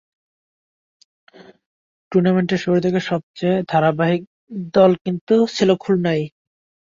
টুর্নামেন্টের শুরুর দিকে সবচেয়ে ধারাবাহিক দল কিন্তু ছিল খুলনাই।